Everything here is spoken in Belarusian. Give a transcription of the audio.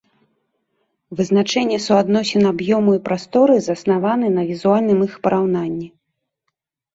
Вызначэнне суадносін аб'ёму і прасторы заснаваны на візуальным іх параўнанні.